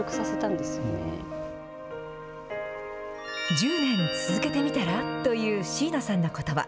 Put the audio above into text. １０年続けてみたら？という、椎名さんのことば。